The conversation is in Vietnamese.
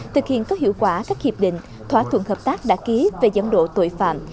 thực hiện các hiệu quả các hiệp định thỏa thuận hợp tác đã ký về dẫn độ tội phạm